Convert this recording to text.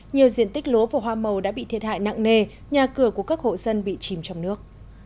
nhiều diện tích lúa và hoa màu đã bị thiệt hại nặng nề nhà cửa của các hộ dân bị chìm trong nước